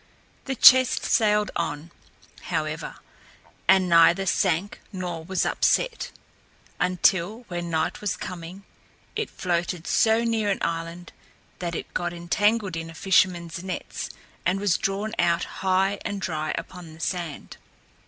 The chest sailed on, however, and neither sank nor was upset, until, when night was coming, it floated so near an island that it got entangled in a fisherman's nets and was drawn out high and dry upon the sand.